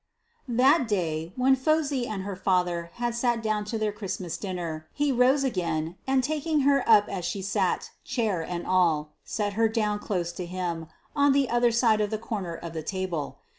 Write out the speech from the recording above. That day, when Phosy and her father had sat down to their Christmas dinner, he rose again, and taking her up as she sat, chair and all, set her down close to him, on the other side of the corner of the table.